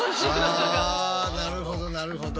あなるほどなるほど。